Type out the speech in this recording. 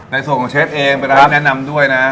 ในส่วนของเชฟเองไปรับแนะนำด้วยนะ